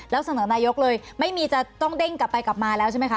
แล้วเสนอนายกเลยไม่มีจะต้องเด้งกลับไปกลับมาแล้วใช่ไหมคะ